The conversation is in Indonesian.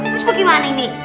terus bagaimana ini